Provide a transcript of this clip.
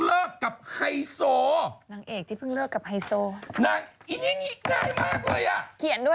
มาทานข้าว